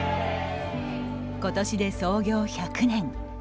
ことしで創業１００年。